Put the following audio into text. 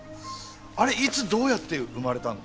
あれいつどうやって生まれたの？